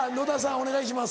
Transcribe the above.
お願いします。